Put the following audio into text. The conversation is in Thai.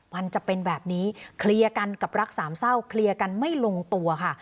มันจะเป็นแบบนี้เคลียร์กันกับรักสามเศร้าเคลียร์กันไม่ลงตัวค่ะ